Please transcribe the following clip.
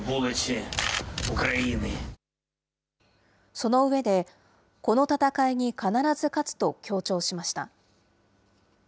その上で、この戦いに必ず勝つと強調しました。